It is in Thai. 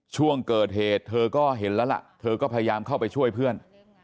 ช่วงเกิดเหตุเธอก็เห็นแล้วล่ะเธอก็พยายามเข้าไปช่วยเพื่อน